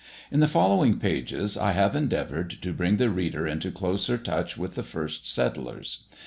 In the following pages I have endeavoured to bring the reader into closer touch with the first settlers.